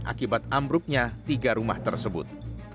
akibat ambruknya tiga rumah tersebut